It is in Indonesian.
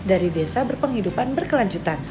dari desa berpenghidupan berkelanjutan